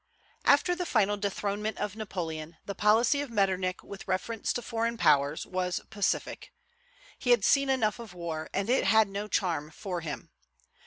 After the final dethronement of Napoleon, the policy of Metternich with reference to foreign powers was pacific. He had seen enough of war, and it had no charm for him.